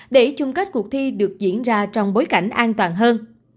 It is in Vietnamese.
để chung kết cuộc thi được diễn ra trong bối cảnh an toàn hơn